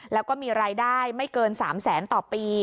แล้วก็มีรายได้ไม่เกิน๓แสนต่อปี